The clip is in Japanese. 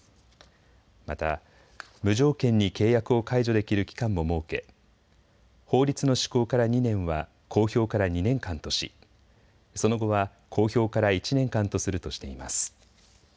また、無条件に契約を解除できる期間も設け法律の施行から２年は公表から２年間としその後は公表から１年間とするとしています。